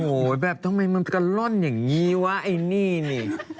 โอ้โหแบบทำไมมันกะล่อนอย่างนี้วะไอ้นี่นี่